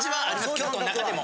京都の中でも。